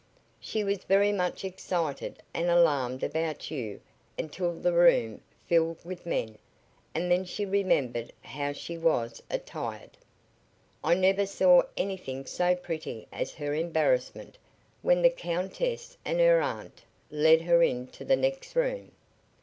She was very much excited and alarmed about you until the room filled with men and then she remembered how she was attired. I never saw anything so pretty as her embarrassment when the Countess and her aunt led her into the next room.